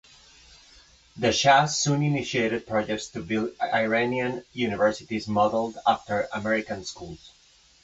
The Shah soon initiated projects to build Iranian universities modeled after American schools.